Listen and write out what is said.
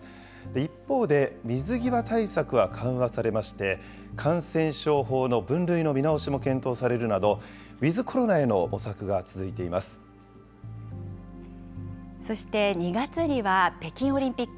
一方で、水際対策は緩和されまして、感染症法の分類の見直しも検討されるなど、ウィズコロナへの模索そして２月には北京オリンピック。